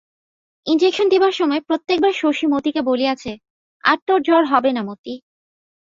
Injection দিবার সময় প্রত্যেকবার শশী মতিকে বলিয়াছে, আর তোর জ্বর হবে না মতি।